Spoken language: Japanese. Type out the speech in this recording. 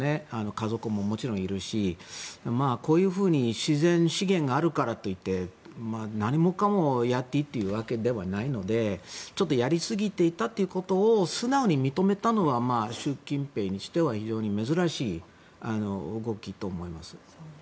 家族ももちろんいるしこういうふうに自然資源があるからといって何もかもやっていいというわけではないのでちょっとやりすぎていたということを素直に認めたのは習近平にしては非常に珍しい動きだと思います。